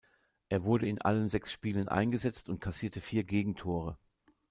Er wurde in allen sechs Spielen eingesetzt und kassierte vier Gegentore.